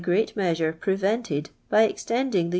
it measure pre\entcd by extciuiin^ the u.